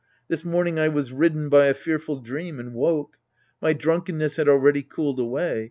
This morning I was ridden by a fearful dream and woke. My drunkenness had already cooled away.